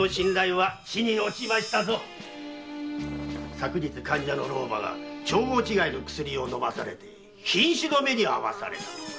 昨日患者の老婆が調合違いの薬を飲まされて瀕死の目に遭わされたとか。